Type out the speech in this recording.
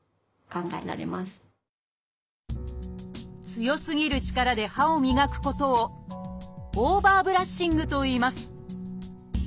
強すぎる力で歯を磨くことを「オーバーブラッシング」といいます。